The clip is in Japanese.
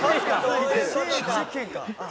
そういう事か。